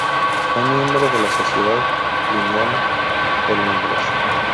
Fue miembro de la Sociedad linneana de Londres.